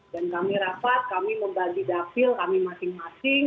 dan kami rapat kami membagi dapil kami masing masing